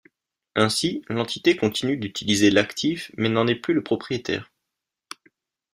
Ainsi, l’entité continue d’utiliser l’actif mais n’en est plus le propriétaire.